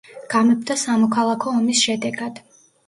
გამეფდა სამოქალაქო ომის შედეგად.